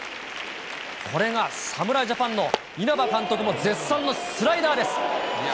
これが侍ジャパンの稲葉監督も絶賛のスライダーです。